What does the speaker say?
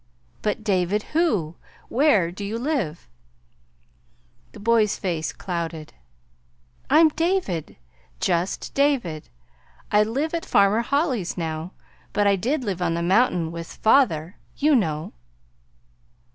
"But David who? Where do you live?" The boy's face clouded. "I'm David just David. I live at Farmer Holly's now; but I did live on the mountain with father, you know."